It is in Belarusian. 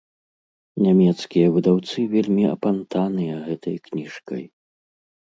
Нямецкія выдаўцы вельмі апантаныя гэтай кніжкай.